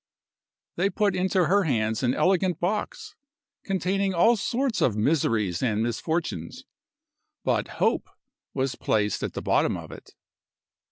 They put into her hands an elegant box, containing all sorts of miseries and misfortunes; but Hope was placed at the bottom of it.